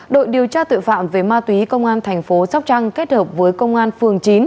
đội điều tra tội phạm về ma túy công an thành phố sóc trăng kết hợp với công an phường chín